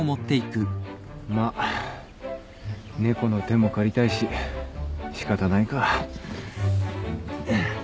まっ猫の手も借りたいし仕方ないか。